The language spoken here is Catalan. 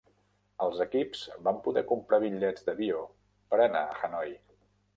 Els equips van poder comprar bitllets d'avió per anar a Hanoi.